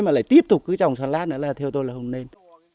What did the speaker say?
mà lại tiếp tục cứ trồng xà lát nữa là theo tôi là không nên